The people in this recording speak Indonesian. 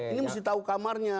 ini mesti tahu kamarnya